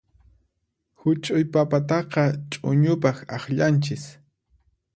Huch'uy papataqa ch'uñupaq akllanchis.